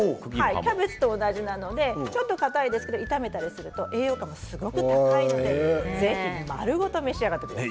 キャベツと同じなのでちょっと、かたいですけれども炒めたりすると栄養価も高いですのでぜひ丸ごと召し上がってください。